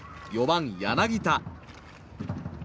４番、柳田。